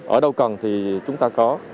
ở đâu cần thì chúng ta có